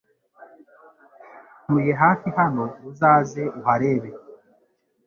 Ntuye hafi hano uzaze uharebe